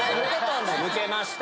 抜けました。